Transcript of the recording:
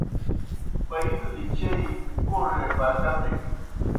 پیُولیْ چیئی گوڙے برکتِن۔